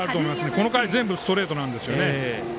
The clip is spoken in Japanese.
この回全部ストレートなんですね。